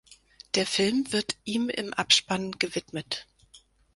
Der Film wird ihm im Abspann gewidmet.